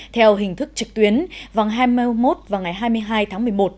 theo hình thức trực tuyến vòng hai mươi một và ngày hai mươi hai tháng một mươi một